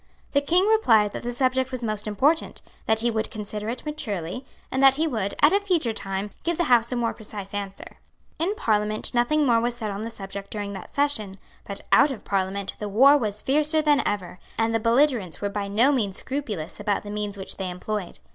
The King replied that the subject was most important, that he would consider it maturely, and that he would, at a future time, give the House a more precise answer. In Parliament nothing more was said on the subject during that session; but out of Parliament the war was fiercer than ever; and the belligerents were by no means scrupulous about the means which they employed.